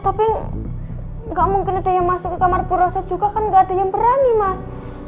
tapi gak mungkin ada yang masuk ke kamar puroh saya juga kan gak ada yang berani mas